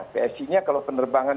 psc nya kalau penerbangan ya kan